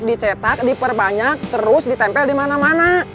dicetak diperbanyak terus ditempel dimana mana